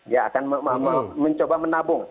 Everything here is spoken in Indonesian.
ya akan mencoba menabung